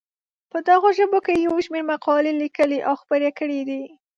په دغو ژبو یې یو شمېر مقالې لیکلي او خپرې کړې دي.